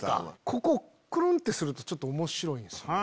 ここをくるんってするとちょっと面白いんすよね。